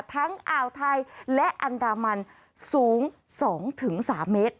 อ่าวไทยและอันดามันสูง๒๓เมตร